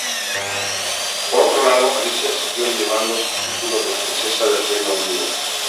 Por otro lado, Alicia siguió llevando sus títulos de princesa del Reino Unido.